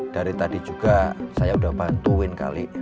dari tadi juga saya sudah bantuin kali